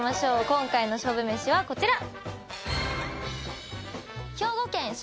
今回の勝負めしはこちら。